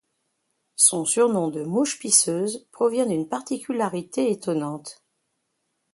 Son surnom de mouche pisseuse provient d'une particularité étonnante.